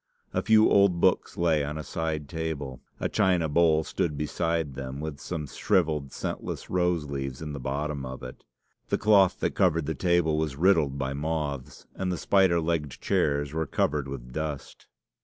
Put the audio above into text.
A few old books lay on a side table. A china bowl stood beside them, with some shrivelled, scentless rose leaves in the bottom of it. The cloth that covered the table was riddled by moths, and the spider legged chairs were covered with dust.